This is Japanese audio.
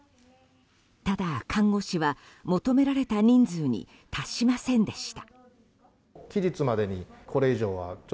ただ看護師は求められた人数に達しませんでした。